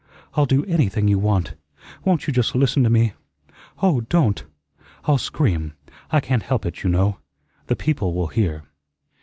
I'll do ANYTHING you want. Won't you just LISTEN to me? Oh, don't! I'll scream. I can't help it, you know. The people will hear."